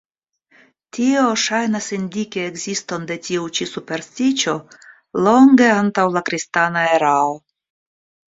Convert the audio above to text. Tio ŝajnas indiki ekziston de tiu ĉi superstiĉo longe antaŭ la kristana erao.